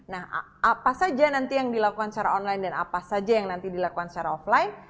nah apa saja nanti yang dilakukan secara online dan apa saja yang nanti dilakukan secara offline